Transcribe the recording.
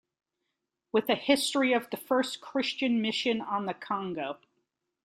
With a history of the first Christian mission on the Congo.